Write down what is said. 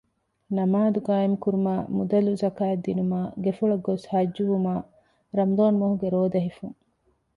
ނަމާދު ޤާއިމު ކުރުމާއި މުދަލު ޒަކާތް ދިނުމާއި ގެފުޅަށް ގޮސް ޙައްޖުވުމާއި ރަމަޟާން މަހުގެ ރޯދަ ހިފުން